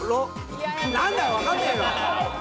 なんだよ、わかんねえよ。